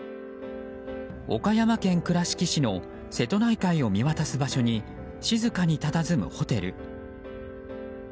岡山県倉敷市の瀬戸内海を見渡す場所に静かにたたずむホテル。